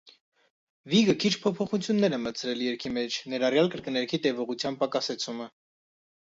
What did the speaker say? Վիգը քիչ փոփոխություններ է մտցրել երգի մեջ՝ ներառյալ կրկներգի տևողության պակասեցումը։